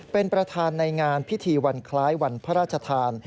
เป็นประธานในงานพิธีวันคล้ายวันพระราชทาน